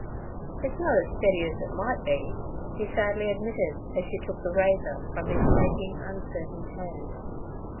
'It's not as stiddy 's it might be' he sadly admitted, as she took the razor from his shaking, uncertain hand.